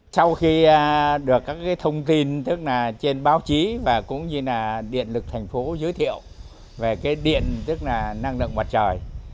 sau khi được các thông tin tức là trên báo chí và cũng như là điện lực thành phố giới thiệu về cái điện tức là năng lượng mặt trời